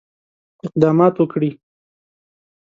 اقدامات وکړي.